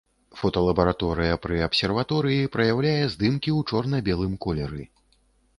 Фоталабараторыя пры абсерваторыі праяўляе здымкі ў чорна-белым колеры.